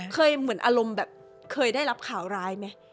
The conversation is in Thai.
เหมือนอารมณ์แบบเคยได้รับข่าวร้ายไหม